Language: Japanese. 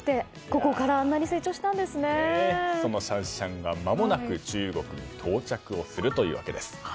このシャンシャンがまもなく中国に到着するというわけです。